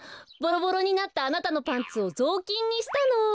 ボロボロになったあなたのパンツをぞうきんにしたの。